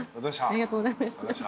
ありがとうございます。